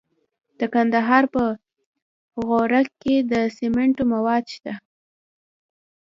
د کندهار په غورک کې د سمنټو مواد شته.